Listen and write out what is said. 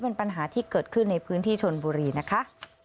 เป็นปัญหาที่เกิดขึ้นในพื้นที่ชนบุรีนะคะ